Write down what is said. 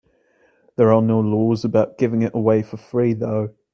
There are no laws about giving it away for free, though.